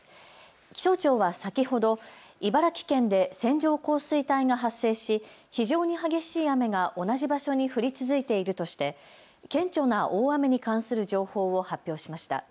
気象庁は先ほど茨城県で線状降水帯が発生し非常に激しい雨が同じ場所に降り続いているとして顕著な大雨に関する情報を発表しました。